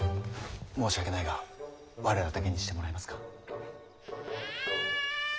申し訳ないが我らだけにしてもらえますか。